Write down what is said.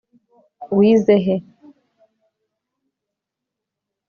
wize he